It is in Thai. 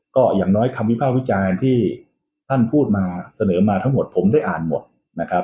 ก็อย่างน้อยคำวิภาควิจารณ์ที่ท่านพูดมาเสนอมาทั้งหมดผมได้อ่านหมดนะครับ